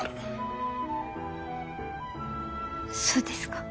そうですか。